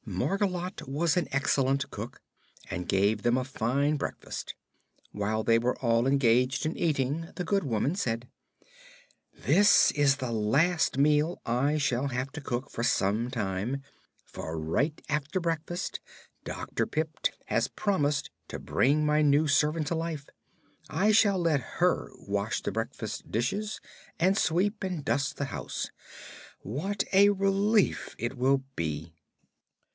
Margolotte was an excellent cook and gave them a fine breakfast. While they were all engaged in eating, the good woman said: "This is the last meal I shall have to cook for some time, for right after breakfast Dr. Pipt has promised to bring my new servant to life. I shall let her wash the breakfast dishes and sweep and dust the house. What a relief it will be!"